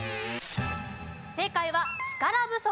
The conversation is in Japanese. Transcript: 正解は力不足。